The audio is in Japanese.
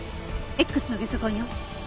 Ｘのゲソ痕よ。